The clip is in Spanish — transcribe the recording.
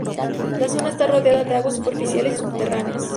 La zona está rodeada de aguas superficiales y subterráneas.